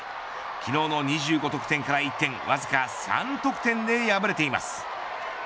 昨日の２５得点から一転わずか３得点で敗れています。